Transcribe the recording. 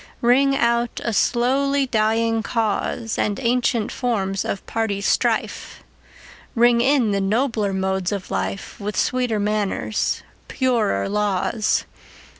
Ring out a slowly dying cause, And ancient forms of party strife; Ring in the nobler modes of life, With sweeter manners, purer laws.